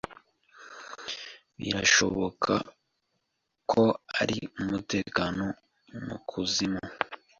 Birashoboka ko ari umutekano mukuzimu.